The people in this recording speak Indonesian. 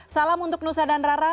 salam untuk nusa dan rara